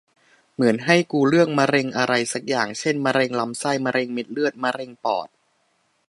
เหมือนให้กูเลือกมะเร็งอะไรสักอย่าง เช่น มะเร็งลำไส้ มะเร็งเม็ดเลือด มะเร็งปอด